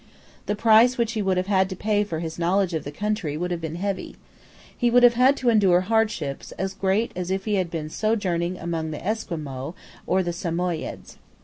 The price which he would have had to pay for his knowledge of the country would have been heavy. He would have had to endure hardships as great as if he had sojourned among the Esquimaux or the Samoyeds.